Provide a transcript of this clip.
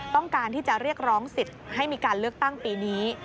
ต้องการที่จะเรียกร้องสิทธิ์ให้มีการเลือกตั้งปีนี้